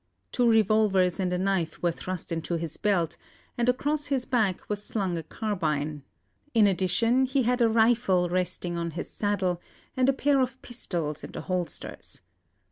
Two revolvers and a knife were thrust into his belt, and across his back was slung a carbine; in addition, he had a rifle resting on his saddle, and a pair of pistols in the holsters.